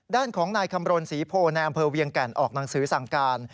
ด้านของนายคำรณศรีโพในอำเภอเวียงแก่นออกหนังสือสั่งการ